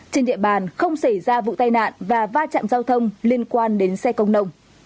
trên địa bàn không xảy ra vụ tai nạn và va chạm giao thông liên quan đến xe công nông